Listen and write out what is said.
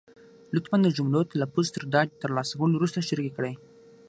لطفا د جملو تلفظ تر ډاډ تر لاسه کولو وروسته شریکې کړئ.